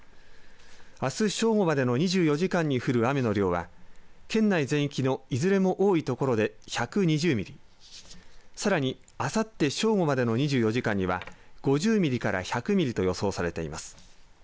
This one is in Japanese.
あす、正午までの２４時間に降る雨の量は県内全域のいずれも多い所で１２０ミリさらに、あさって正午までの２４時間には５０ミリから１００ミリと予想されています。